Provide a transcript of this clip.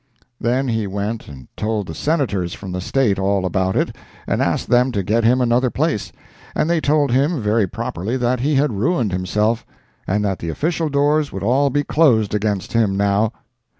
Then he went and told the Senators from the State all about it and asked them to get him another place, and they told him very properly that he had ruined himself, and that the official doors would all be closed against him now.